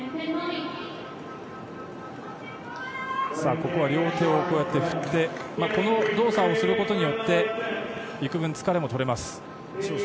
ここは両手を振ってこの動作をすることによって幾分、疲れも取れます。